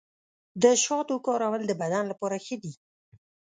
د شاتو کارول د بدن لپاره ښه دي.